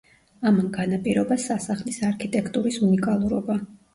ამან განაპირობა სასახლის არქიტექტურის უნიკალურობა.